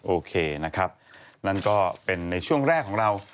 โอเคนะครับนั่นก็เป็นในช่วงแรกของเรา